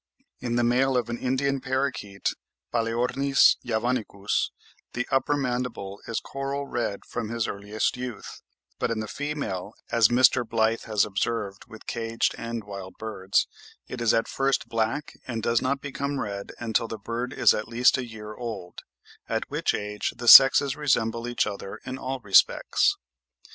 In the male of an Indian parrakeet (Palaeornis javanicus) the upper mandible is coral red from his earliest youth, but in the female, as Mr. Blyth has observed with caged and wild birds, it is at first black and does not become red until the bird is at least a year old, at which age the sexes resemble each other in all respects.